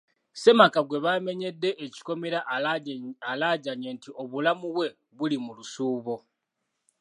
Ssemaka gwe baamenyedde ekikomera alaajanye nti obulamu bwe buli mu lusuubo.